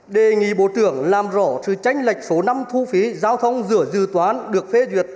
đề nghị bộ trưởng làm rõ sự tranh lệch số năm thu phí giao thông rửa dư toán được phê duyệt